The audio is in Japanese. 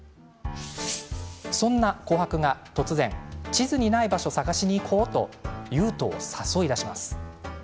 そんな琥珀が突然地図にない場所を探しに行こうと悠人を誘い出します。